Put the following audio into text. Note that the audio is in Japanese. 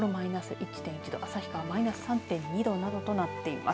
１．１度旭川マイナス３．２度などとなっています。